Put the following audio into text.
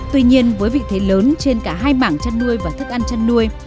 tuy nhiên với vị thế lớn trên cả hai mảng chăn nuôi và thức ăn chăn nuôi